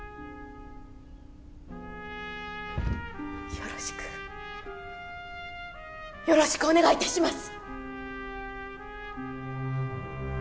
よろしくよろしくお願いいたします